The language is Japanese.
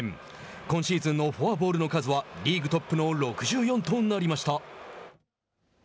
今シーズンのフォアボールの数はリーグトップの６４となりました。